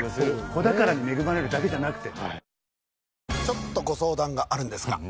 子宝に恵まれるだけじゃなくて。